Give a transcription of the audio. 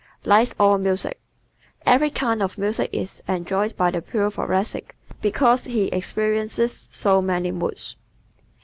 Likes All Music ¶ Every kind of music is enjoyed by the pure Thoracic because he experiences so many moods.